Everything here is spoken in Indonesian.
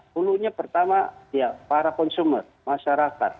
hulunya pertama ya para consumer masyarakat